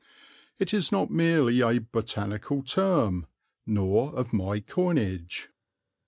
It is not merely a botanical term, nor of my coinage.